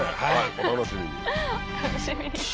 お楽しみに。